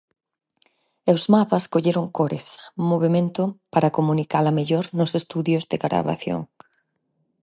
E os mapas colleron cores, movemento para comunicala mellor nos estudios de gravación.